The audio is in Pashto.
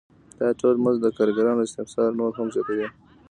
دا ډول مزد د کارګرانو استثمار نور هم زیاتوي